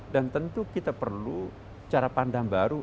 dan tentu kita perlu cara pandang baru